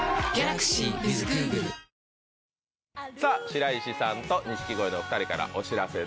白石さんと錦鯉のお２人からお知らせです。